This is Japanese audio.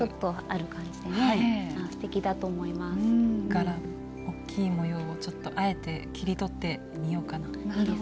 柄大きい模様をちょっとあえて切り取ってみようかな。